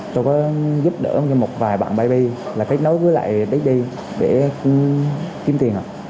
tôi có giúp đỡ một vài bạn baby là kết nối với lại sugar baby để kiếm tiền